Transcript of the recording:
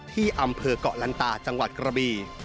ที่อำเภอกเกาะลันตาจังหวัดกระบี